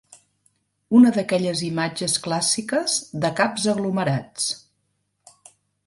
Una d'aquelles imatges clàssiques de caps aglomerats.